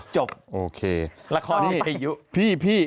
จบต้องไปอยู่พี่โอเค